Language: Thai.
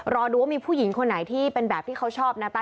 รอดูว่ามีผู้หญิงคนไหนที่เป็นแบบที่เขาชอบนะต๊